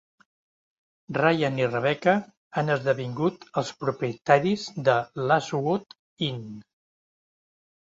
Ryan i Rebecca han esdevingut els propietaris de l'Ashwood Inn.